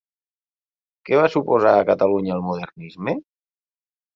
Què va suposar a Catalunya el modernisme?